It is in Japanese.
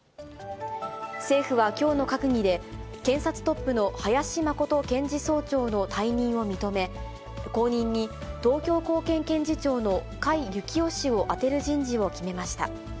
政府はきょうの閣議で、検察トップの林真琴検事総長の退任を認め、後任に東京高検検事長の甲斐行夫氏を充てる人事を決めました。